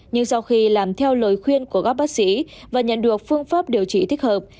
nhưng sau khi làm theo lời khuyên của các bác sĩ và nhận được phương pháp điều trị thích hợp